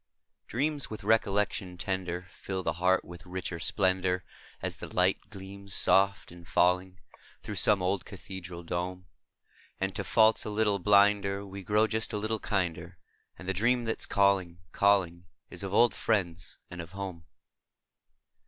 D REAMS \9ith recollection tender Fill the Heart Ntfith richer ' splendor, As the light gleams soft in jullinq Through some ola cathedral dome ; And, to faults a little blinder, ADe gt'oxtf just a little hinder, And the dream that's call inq, calling , old friends and o home.